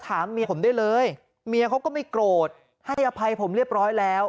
เมียผมได้เลยเมียเขาก็ไม่โกรธให้อภัยผมเรียบร้อยแล้ว